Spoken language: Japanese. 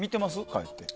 帰って。